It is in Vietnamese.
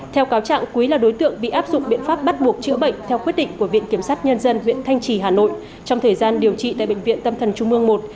theo cáo trạng quý là đối tượng bị áp dụng biện pháp bắt buộc chữa bệnh theo quyết định của viện kiểm sát nhân dân huyện thanh trì hà nội trong thời gian điều trị tại bệnh viện tâm thần trung mương một